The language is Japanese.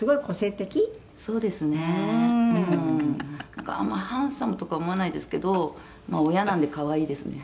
「なんかあんまハンサムとかは思わないですけど親なんで可愛いですね」